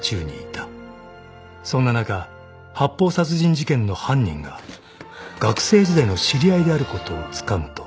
［そんな中発砲殺人事件の犯人が学生時代の知り合いであることをつかむと］